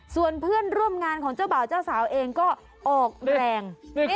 ส่วนเพื่อนร่วมงานของเจ้าบ่าวเจ้าสาวเองก็ออกแรง